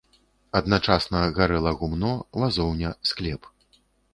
Адначасна гарэла гумно, вазоўня, склеп.